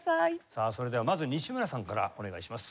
さあそれではまず西村さんからお願いします。